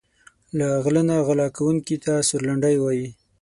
له غله نه غلا کونکي ته سورلنډی وايي.